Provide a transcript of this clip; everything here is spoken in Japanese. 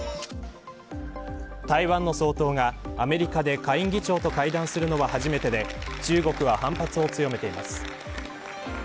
台湾の総統がアメリカで下院議長と会談するのは初めてで中国は反発を強めています。